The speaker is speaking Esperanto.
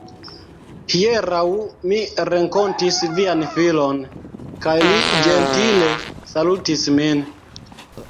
Hieraŭ mi renkontis vian filon, kaj li ĝentile salutis min.